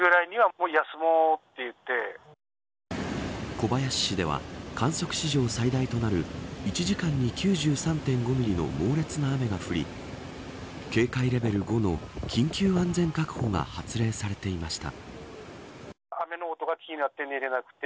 小林市では観測史上最大となる１時間に９３．５ミリの猛烈な雨が降り警戒レベル５の緊急安全確保が発令されていました。